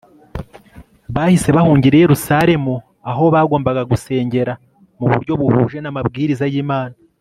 bahise bahungira i Yerusalemu aho bagombaga gusengera mu buryo buhuje namabwiriza yImana